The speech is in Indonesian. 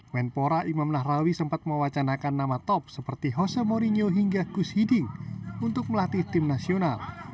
menpora imam nahrawi sempat mewacanakan nama top seperti hose mourinho hingga gus hiding untuk melatih tim nasional